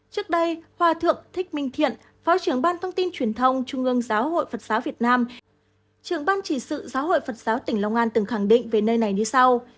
trước đây hòa thượng thích minh thiện phó trưởng ban thông tin truyền thông trung ương giáo hội phật giáo việt nam trưởng ban chỉ sự giáo hội phật giáo tỉnh long an từng khẳng định về nơi này như sau